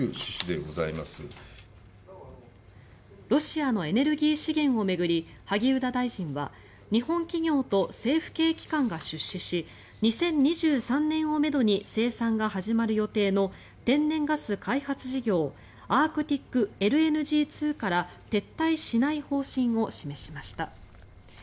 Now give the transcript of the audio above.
ロシアのエネルギー資源を巡り萩生田大臣は日本企業と政府系機関が出資し２０２３年をめどに生産が始まる予定の天然ガス開発事業アークティックＬＮＧ２から撤退しない方針を示しました。